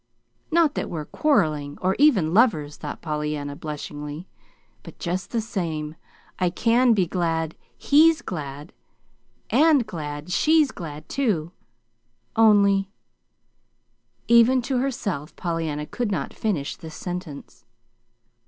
"Not that we're 'quarrelling,' or even 'lovers,'" thought Pollyanna blushingly; "but just the same I can be glad HE'S glad, and glad SHE'S glad, too, only " Even to herself Pollyanna could not finish this sentence.